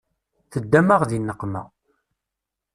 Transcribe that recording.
Teddam-aɣ di nneqma.